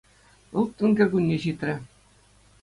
Ылтӑн кӗркунне ҫитрӗ.